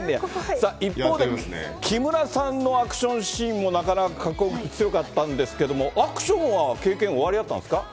さあ、一方で、木村さんのアクションシーンもなかなかかっこよくて、強かったんですけども、アクションは経験おありだったんですか？